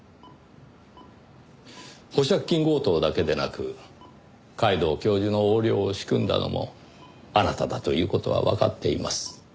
保釈金強盗だけでなく皆藤教授の横領を仕組んだのもあなただという事はわかっています。